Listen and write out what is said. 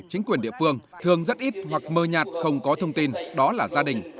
chính quyền địa phương thường rất ít hoặc mơ nhạt không có thông tin đó là gia đình